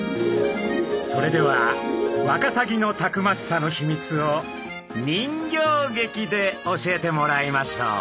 それではワカサギのたくましさの秘密を人形劇で教えてもらいましょう。